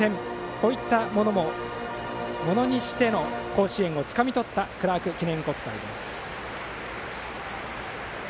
こういったものもものにしての甲子園をつかみとったクラーク記念国際です。